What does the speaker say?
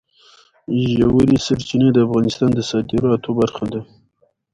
ژورې سرچینې د افغانستان د صادراتو برخه ده.